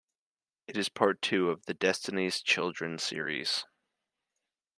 It is part two of the "Destiny's Children" series.